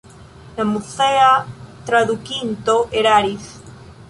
La muzea tradukinto eraris.